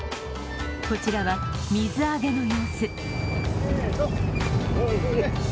こちらは水揚げの様子。